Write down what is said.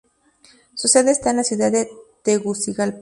Su sede está en la ciudad de Tegucigalpa.